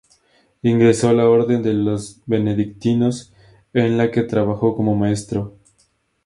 Ingresó a la orden de los benedictinos, en la que trabajó como maestro.